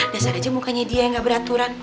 dasar aja mukanya dia yang gak beraturan